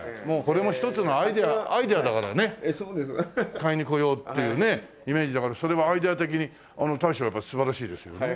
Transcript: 買いに来ようっていうねイメージだからそれはアイデア的に大将やっぱ素晴らしいですよね。